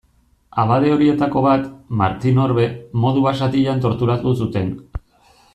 Abade horietako bat, Martin Orbe, modu basatian torturatu zuten.